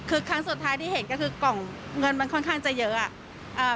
คือครั้งสุดท้ายที่เห็นก็คือกล่องเงินมันค่อนข้างจะเยอะอ่ะ